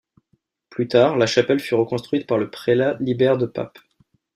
Plus tard, la chapelle fut reconstruite par le prélat Libert de Pape.